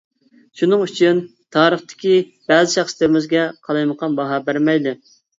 شۇنىڭ ئۈچۈن تارىختىكى بەزى شەخسلىرىمىزگە قالايمىقان باھا بەرمەيلى!